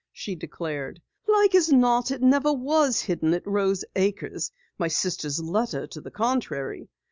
she declared. "Like as not, it never was hidden at Rose Acres, my sister's letter to the contrary.